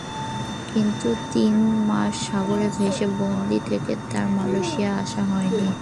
কিন্তু তিন মাস সাগরে ভেসে বন্দী থেকেও তার মালয়েশিয়া আসা হয়নি।